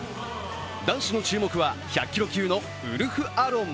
男子の注目は１００キロ級のウルフアロン。